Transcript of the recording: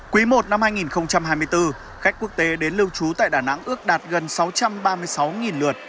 quý i năm hai nghìn hai mươi bốn khách quốc tế đến lưu trú tại đà nẵng ước đạt gần sáu trăm ba mươi sáu lượt